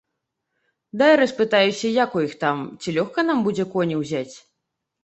Дай распытаюся, як у іх там, ці лёгка нам будзе коні ўзяць?